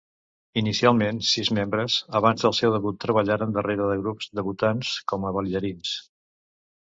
Inicialment sis membres, abans del seu debut treballaren darrere de grups debutats com a ballarins.